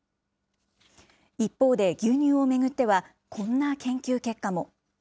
一方で、牛乳を巡っては、こんな研究結果も。